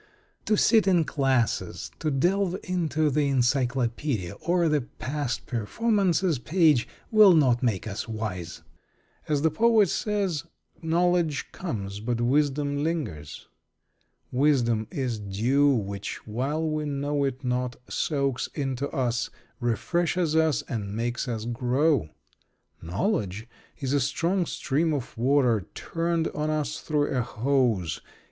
To sit in classes, to delve into the encyclopedia or the past performances page, will not make us wise. As the poet says, "Knowledge comes, but wisdom lingers." Wisdom is dew, which, while we know it not, soaks into us, refreshes us, and makes us grow. Knowledge is a strong stream of water turned on us through a hose.